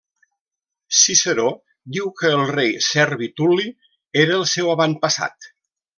Ciceró diu que el rei Servi Tul·li era el seu avantpassat.